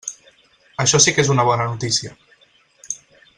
Això sí que és una bona notícia.